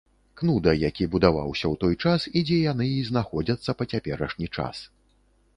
Кнуда, які будаваўся ў той час і дзе яны і знаходзяцца па цяперашні час.